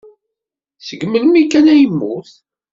Seg melmi kan ay yemmut.